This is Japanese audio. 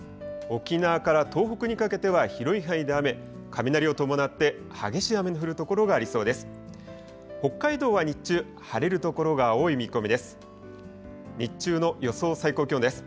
沖縄から東北にかけては、広い範囲で雨、雷を伴って激しい雨の降る所がありそうです。